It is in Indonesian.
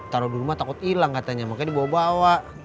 taruh di rumah takut hilang katanya makanya dibawa bawa